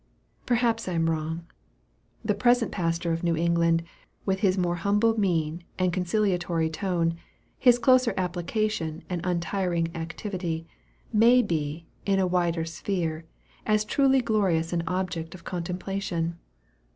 Perhaps I am wrong. The present pastor of New England, with his more humble mien and conciliatory tone, his closer application and untiring activity, may be, in a wider sphere, as truly glorious an object of contemplation.